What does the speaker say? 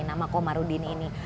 nama komarudin ini